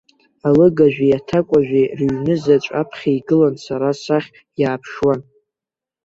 Алыгажәи аҭакәажәи рыҩнызаҵә аԥхьа игыланы сара сахь иааԥшуан.